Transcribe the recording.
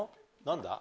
何だ？